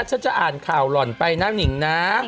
ฉันจะอ่านข่าวหล่อนไปนะนิ่งนะ